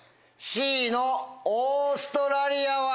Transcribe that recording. Ｃのオーストラリアは。